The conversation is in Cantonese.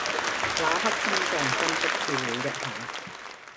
那刻心臟真的跳了一下